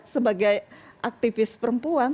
sebagai aktivis perempuan